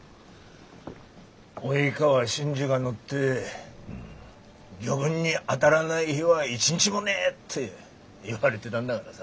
「及川新次が乗って魚群に当たらない日は一日もねえ！」って言われてたんだがらさ。